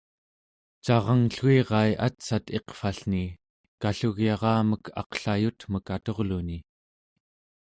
caranglluirai atsat iqvallni kallugyaramek aqlayutmek aturluni